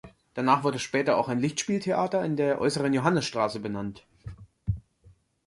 Danach wurde später auch ein Lichtspieltheater in der "Äußeren Johannisstraße" benannt.